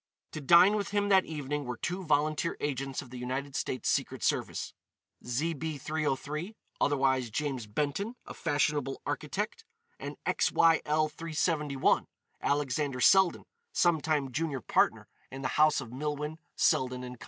To dine with him that evening were two volunteer agents of the United States Secret Service, ZB 303, otherwise James Benton, a fashionable architect; and XYL 371, Alexander Selden, sometime junior partner in the house of Milwin, Selden & Co.